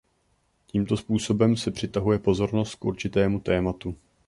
Tímto způsobem se přitahuje pozornost k určitému tématu.